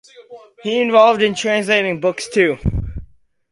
He involved in translating books too.